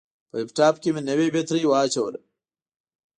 په لپټاپ کې مې نوې بطرۍ واچوله.